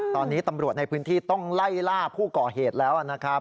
ตอนนี้ตำรวจในพื้นที่ต้องไล่ล่าผู้ก่อเหตุแล้วนะครับ